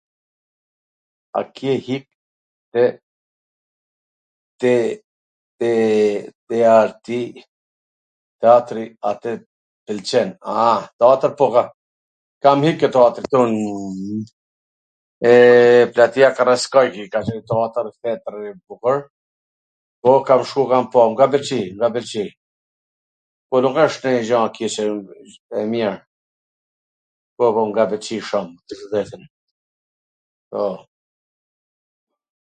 A ke hik e teatri dhe a tw pwlqen? A, po, teatwr kam hik ke teatri ktu te Platia Karaiskaqi, teatwr theatro i bukwr, po, kam shku, kam pa, m ka pwlqy, m ka pwlqy, po nuk asht nonjw gja e keqe, a e mir, po, po, m ka pwlqy shum, tw drejtwn, po.